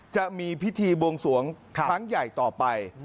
จะมีพิธีบวงสวงครั้งใหญ่ต่อไป